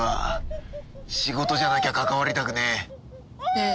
ええ。